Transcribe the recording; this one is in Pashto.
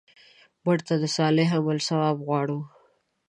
مړه ته د صالح عمل ثواب غواړو